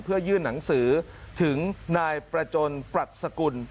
เพื่อยื่นหนังสือถึงนายประจนปรัชกุล